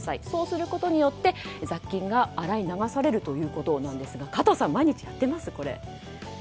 そうすることによって雑菌が洗い流されるということですが加藤さん、毎日やってます？